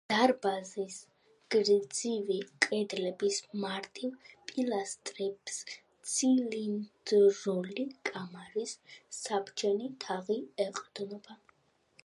დარბაზის გრძივი კედლების მარტივ პილასტრებს ცილინდრული კამარის საბჯენი თაღი ეყრდნობა.